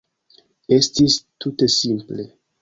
Estis tute simple.